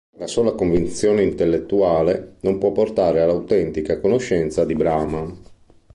La sola convinzione intellettuale non può portare all'autentica conoscenza di Brahman.